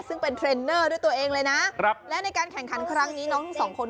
ซึ่งเป็นเทรนเนอร์ด้วยตัวเองเลยนะครับและในการแข่งขันครั้งนี้น้องทั้งสองคน